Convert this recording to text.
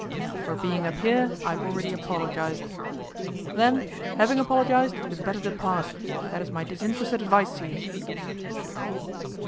'For being up here I have already apologized.' 'Then, having apologized, you had better depart; that is my disinterested advice to you.